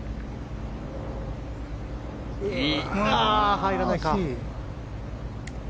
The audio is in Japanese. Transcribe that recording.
入らないか。